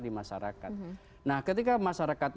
di masyarakat nah ketika masyarakat